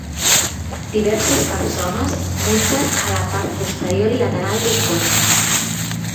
Diverses persones munten a la part posterior i lateral d'un cotxe.